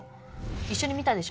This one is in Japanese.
一緒に見たでしょ？